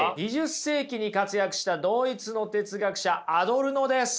２０世紀に活躍したドイツの哲学者アドルノです。